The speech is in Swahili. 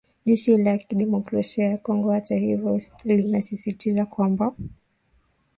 Jeshi la Demokrasia ya Kongo hata hivyo linasisitiza kwamba